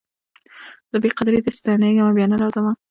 له بې قدریه دي ستنېږمه بیا نه راځمه